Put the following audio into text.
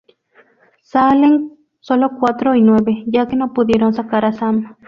Salen solo Cuatro y Nueve, ya que no pudieron sacar a Sam.